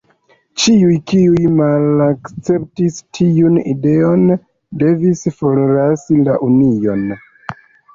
Ĉiuj kiuj malakceptis tiun ideon devis forlasi la union.